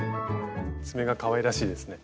爪がかわいらしいですね。